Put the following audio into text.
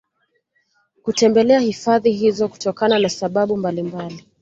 kutembelea hifadhi hizo kutokana na sababu mbalimbali